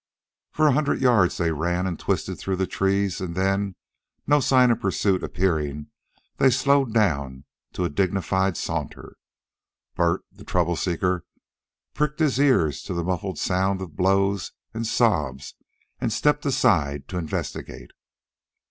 For a hundred yards they ran and twisted through the trees, and then, no signs of pursuit appearing, they slowed down to a dignified saunter. Bert, the trouble seeker, pricked his ears to the muffled sound of blows and sobs, and stepped aside to investigate.